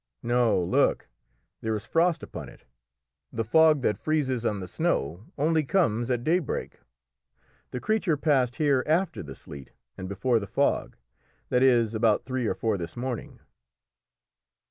"No, look, there is frost upon it! The fog that freezes on the snow only comes at daybreak. The creature passed here after the sleet and before the fog that is, about three or four this morning."